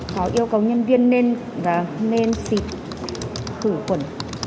có yêu cầu nhân viên nên xịt khử khuẩn